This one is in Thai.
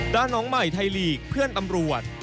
น้องใหม่ไทยลีกเพื่อนตำรวจ